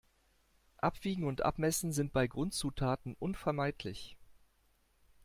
Abwiegen und Abmessen sind bei Grundzutaten unvermeidlich.